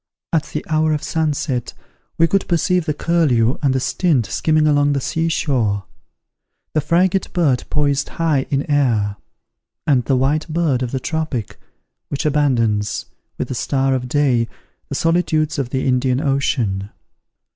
At the hour of sunset we could perceive the curlew and the stint skimming along the seashore; the frigate bird poised high in air; and the white bird of the tropic, which abandons, with the star of day, the solitudes of the Indian ocean.